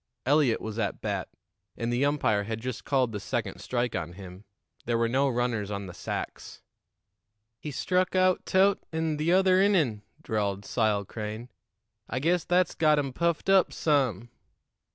Eliot was at bat, and the umpire had just called the second strike on him. There were no runners on the sacks. "He struck aout Tut in t'other innin'," drawled Sile Crane. "I guess that's got him puffed up some."